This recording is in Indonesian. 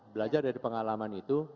belajar dari pengalaman itu